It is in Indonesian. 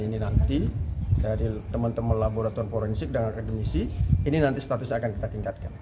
ini nanti dari teman teman laboratorium forensik dan akademisi ini nanti statusnya akan kita tingkatkan